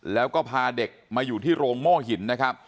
แล้วก็พาเด็กมาอยู่ที่โรงโม่หินนะครับ